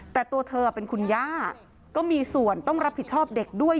แต่ตัวเธอเป็นคุณย่าก็มีส่วนต้องรับผิดชอบเด็กด้วย